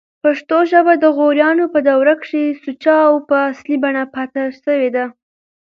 پښتو ژبه دغوریانو په دوره کښي سوچه او په اصلي بڼه پاته سوې ده.